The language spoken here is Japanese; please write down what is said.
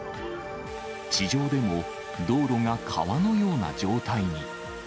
地上でも、道路が川のような状態に。